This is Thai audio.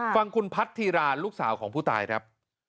ฟังคุณพัทธีรานลูกสาวของผู้ตายครับ